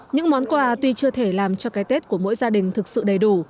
những món quà tuy chưa thể làm cho cái tết của mỗi gia đình thực sự đầy đủ